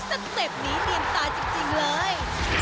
สเต็ปนี้เนียนตายจริงเลย